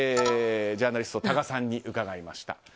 ジャーナリストの多賀さんに伺いました。